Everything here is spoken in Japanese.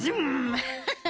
ハハハハ。